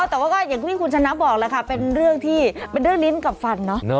แต่ว่าอย่างที่คุณฉันนับบอกล่ะค่ะเป็นเรื่องที่เป็นเรื่องลิ้นกับฟัน